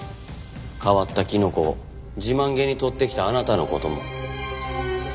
変わったキノコを自慢げに採ってきたあなたの事も。